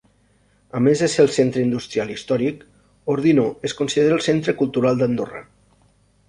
A més de ser el centre industrial històric, Ordino es considera el centre cultural d'Andorra.